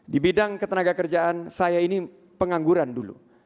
di bidang ketenaga kerjaan saya ini pengangguran dulu